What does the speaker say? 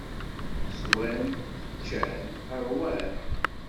Swan, ččan, ṛwan.